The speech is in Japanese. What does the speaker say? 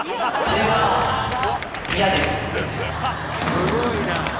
すごいな。